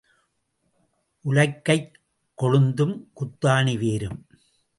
உலக்கைக் கொழுந்தும் குந்தாணி வேரும்.